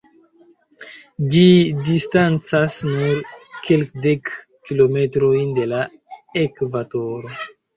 Ĝi distancas nur kelkdek kilometrojn de la ekvatoro.